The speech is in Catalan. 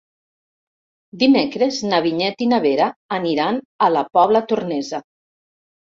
Dimecres na Vinyet i na Vera aniran a la Pobla Tornesa.